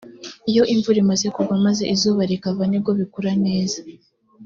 iyo imvura imaze kugwa maze izuba rikava ni bwo bikura neza